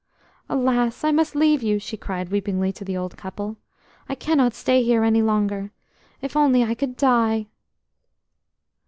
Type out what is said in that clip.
"Alas! I must leave you!" she cried weepingly to the old couple. "I cannot stay here any longer. If only I could die!"